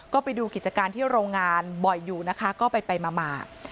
ก็ไปดูกิจการที่โรงงานบ่อยอยู่นะคะก็ไปมา